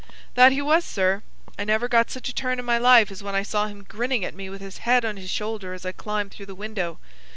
"That he was, sir. I never got such a turn in my life as when I saw him grinning at me with his head on his shoulder as I climbed through the window.